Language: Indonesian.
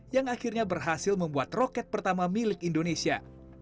yang akhirnya berhasil membuat roket pertama milik indonesia